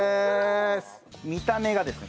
見た目がですね